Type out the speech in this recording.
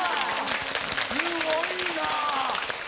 すごいな。